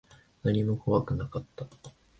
何も怖くなかった。